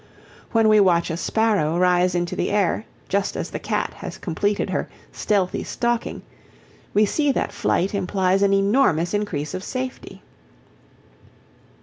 When we watch a sparrow rise into the air just as the cat has completed her stealthy stalking, we see that flight implies an enormous increase of safety.